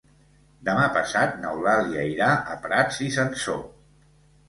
Demà passat n'Eulàlia irà a Prats i Sansor.